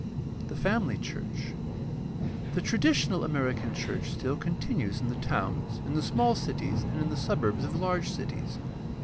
The family church. — The traditional American church still continues in the towns, in the small cities, and in the suburbs of large cities.